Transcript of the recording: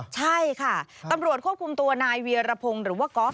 ใช่ค่ะตำรวจควบคุมตัวนายเวียรพงศ์หรือว่าก๊อฟ